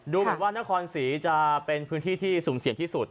ดูเหมือนว่านครศรีจะเป็นพื้นที่ที่สุ่มเสี่ยงที่สุด